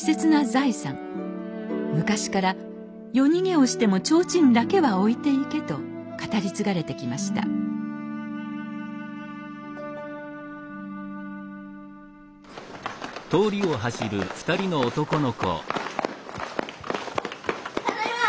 昔から「夜逃げをしても提灯だけは置いていけ」と語り継がれてきましたただいま！